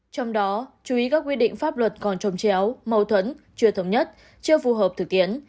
trong đó chú ý các quy định pháp luật còn trồng chéo mâu thuẫn chưa thống nhất chưa phù hợp thực tiến